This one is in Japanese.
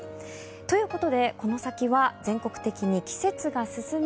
ということでこの先は全国的に季節が進み